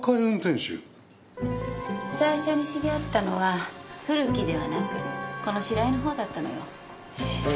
最初に知り合ったのは古木ではなくこの白井のほうだったのよ。